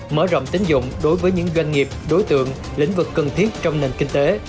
mở rộng tính dụng đối với những doanh nghiệp đối tượng lĩnh vực cần thiết trong nền kinh tế